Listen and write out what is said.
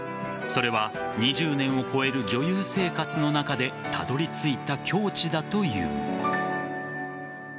それは２０年を超える女優生活の中でたどり着いた境地だという。